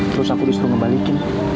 terus aku disuruh ngebalikin